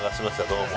どうも。